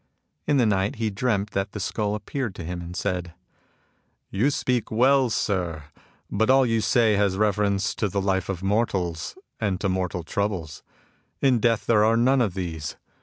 In the night he dreamt that the skull appeared to him and said :" You speak well, sir ; but all you say has reference to the life of mortals, and to mortal troubles. In death there are none of these.